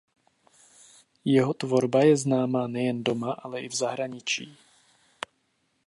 Jeho tvorba je známá nejen doma ale i v zahraničí.